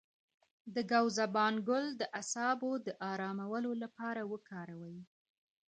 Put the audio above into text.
د ګاو زبان ګل د اعصابو د ارام لپاره وکاروئ